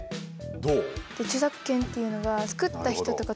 どう？